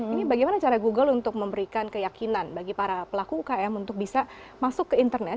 ini bagaimana cara google untuk memberikan keyakinan bagi para pelaku ukm untuk bisa masuk ke internet